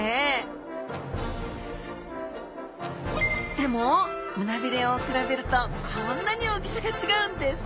でも胸びれを比べるとこんなに大きさが違うんです。